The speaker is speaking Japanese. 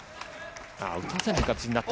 打たせる形になった。